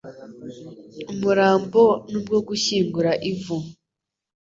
umurambo n ubwo gushyingura ivu